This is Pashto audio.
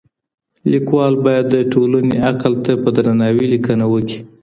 ليکوال بايد د ټولني عقل ته په درناوي ليکنه وکړي.